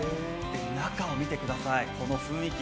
中を見てください、この雰囲気。